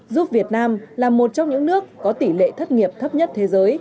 giúp việt nam là một trong những nước có tỷ lệ thất nghiệp thấp nhất thế giới